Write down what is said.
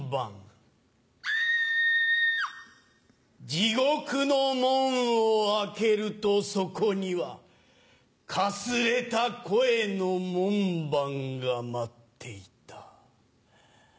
・地獄の門を開けるとそこにはかすれた声の門番が待っていた。